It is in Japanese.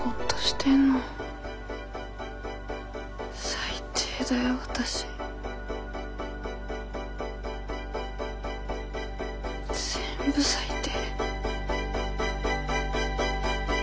最低だよわたし。全部最低。